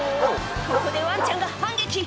ここでワンちゃんが反撃！